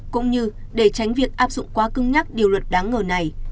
cũng như để tránh việc áp dụng quá cưng nhắc điều luật đáng ngờ này